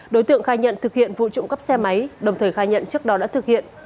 đối tượng khai nhận thực hiện vụ trộm cắp xe máy đồng thời khai nhận trước đó đã thực hiện